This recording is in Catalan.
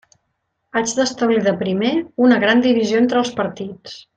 Haig d'establir de primer una gran divisió entre els partits.